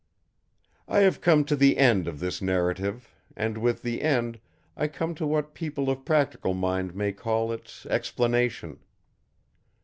I have come to the end of this narrative and with the end, I come to what people of practical mind may call its explanation.